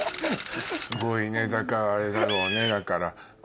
すごいねだからあれだろうねだからあの。